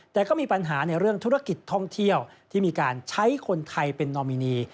แต่ก็มีปัญหาในเรื่องธุรกิจท่องเที่ยวที่มีการใช้คนไทยเป็นนอมินี